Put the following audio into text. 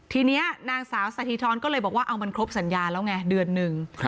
ทีนี้นางสาวสถิธรก็เลยบอกว่าเอามันครบสัญญาแล้วไงเดือนหนึ่ง